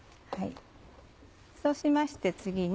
そうしまして次に。